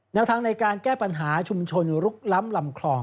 แนวทางในการแก้ปัญหาชุมชนลุกล้ำลำคลอง